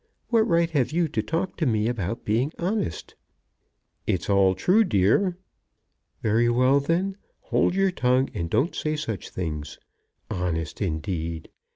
What right have you to talk to me about being honest?" "It's all true, dear." "Very well, then. Hold your tongue, and don't say such things. Honest indeed!